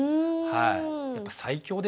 はい。